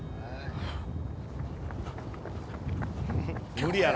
無理やろ。